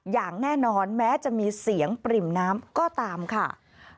อย่างแน่นอนแม้จะมีเสียงปริ่มน้ำก็ตามค่ะ